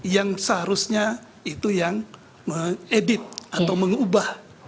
yang seharusnya itu yang mengedit atau mengubah